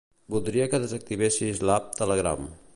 Voldria que desactivessis l'app Telegram.